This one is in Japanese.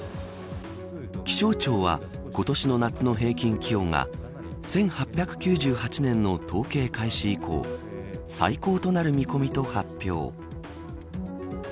気象庁は今年の夏の平均気温が１８９８年の統計開始以降最高となる見込みと発表。